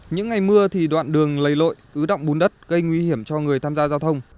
những ngày mưa thì đoạn đường lầy lội ứ động bún đất gây nguy hiểm cho người tham gia giao thông